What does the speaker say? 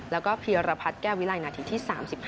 แล้วก็พีรพัทแก้ววิไลน์นาทีที่๓๕